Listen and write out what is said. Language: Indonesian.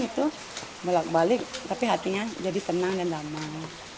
itu belak balik tapi hatinya jadi senang dan damai